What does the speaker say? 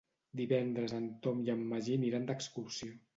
Divendres en Tom i en Magí aniran d'excursió.